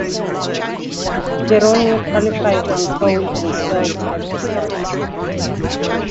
Pironi qualified on pole, but stalled at the start.